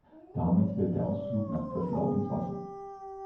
Damit fällt der Ausflug nach Breslau ins Wasser.